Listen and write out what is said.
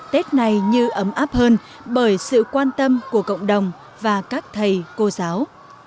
tết này như ấm áp hơn bởi sự quan tâm của cộng đồng và các thầy cô giáo